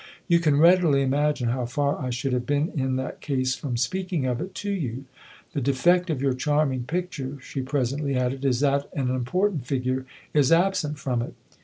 You can readily imagine how far I should have been in that case from speaking of it to you. The defect of your charming picture/' she presently added, "is that an important figure is absent from it."